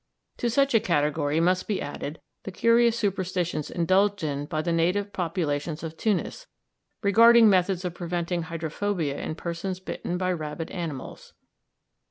To such a category must be added the curious superstitions indulged in by the native population of Tunis regarding methods of preventing hydrophobia in persons bitten by rabid animals.